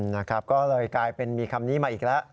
นะครับก็เลยกลายเป็นมีคำนี้มาอีกแล้ว